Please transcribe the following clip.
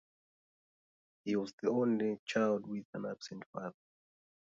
He was an only child with an absent father.